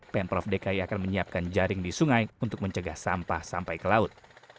pemprov dki akan menyiapkan jaring di sungai untuk mencegah sampah sampai ke laut